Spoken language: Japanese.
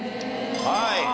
はい。